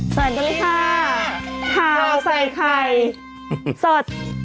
สวัสดีค่ะข้าวใส่ไข่สด